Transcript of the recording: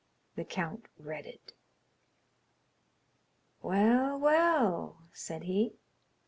The count read it. "Well, well!" said he.